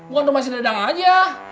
bukan rumah si dadang aja